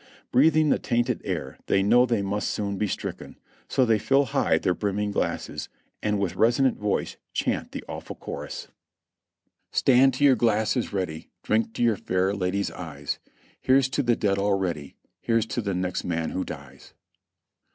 Breathing the tainted air, they know they must soon be stricken, so they fill high their brimming glasses, and with resonant voice chant the awful chorus: 350 JOHNNY REB AND BILIvY YANK "Stand to your glasses ready, Drink to your fair lady's eyes ; Here's to the dead already, Here's to the next man who dies